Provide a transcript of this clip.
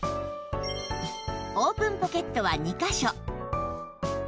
オープンポケットは２カ所